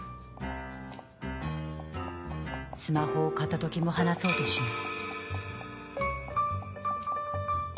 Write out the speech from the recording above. スマホを片時も離そうとしない。